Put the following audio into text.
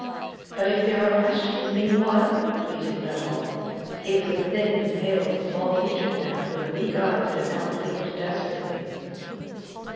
"But if there are questions meanwhile?" bleated Nuttall. He was a thin, pale, small featured, man with weak eyes that now blinked desperately.